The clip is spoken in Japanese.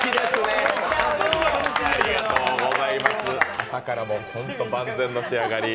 朝から万全の仕上がり。